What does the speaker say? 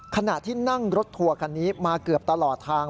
ขณะที่นั่งรถทัวร์คันนี้มาเกือบตลอดทาง